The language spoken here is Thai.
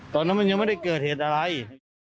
ตอนนั้นไม่ได้เกิดเหตุอะไร